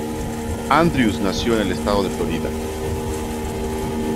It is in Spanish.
Andrews nació en el estado de Florida.